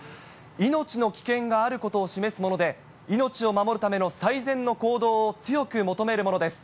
命の危険があることを示すもので、命を守るための最善の行動を強く求めるものです。